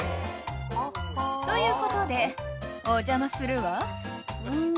［ということでお邪魔するわ］